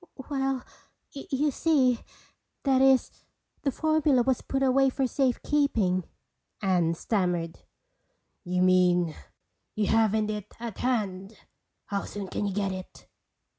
"Well,—you see—that is, the formula was put away for safe keeping," Anne stammered. "You mean you haven't it at hand? How soon can you get it?"